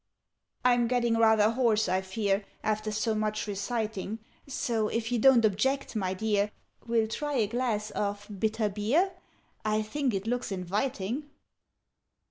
'_ "I'm getting rather hoarse, I fear, After so much reciting: So, if you don't object, my dear, We'll try a glass of bitter beer I think it looks inviting."